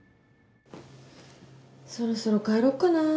そろそろ帰ろっかな。